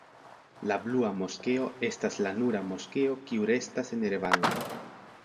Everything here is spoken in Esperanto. La Blua Moskeo estas la nura moskeo kiu restas en Erevano.